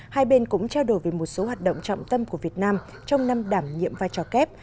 hai bên cũng trao đổi về một số hoạt động trọng tâm của việt nam trong năm đảm nhiệm vai trò kép